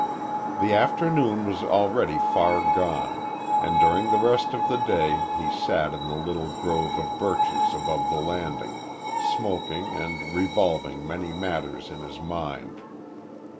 The afternoon was already far gone, and during the rest of the day he sat in the little grove of birches above the landing, smoking and revolving many matters in his mind.